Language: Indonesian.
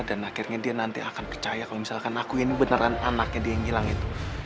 dan akhirnya dia nanti akan percaya kalau misalkan aku ini beneran anaknya dia yang hilang itu